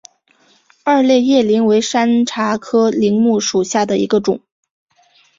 二列叶柃为山茶科柃木属下的一个种。